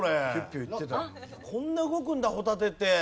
こんな動くんだホタテって。